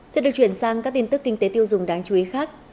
sẽ được chuyển sang các tin tức kinh tế tiêu dùng đáng chú ý khác